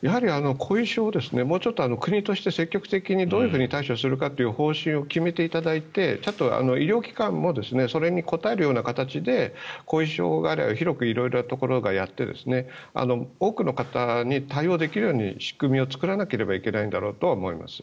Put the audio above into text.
やはり後遺症をもうちょっと国として積極的にどう対処するかっていう方針を決めていただいて医療機関もそれに応えるような形で後遺症外来を広く色々なところがやって多くの方に対応できるように仕組みを作らなきゃいけないんだろうと思います。